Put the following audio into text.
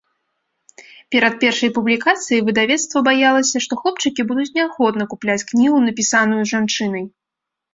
Перад першай публікацыяй выдавецтва баялася, што хлопчыкі будуць неахвотна купляць кнігу, напісаную жанчынай.